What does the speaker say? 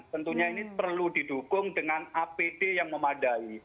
tentunya ini perlu didukung dengan apd yang memadai